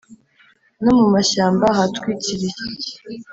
no mu mashyamba ahatwikiriye.